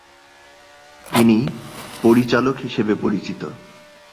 তিনি পরিচালক হিসেবে পরিচিত।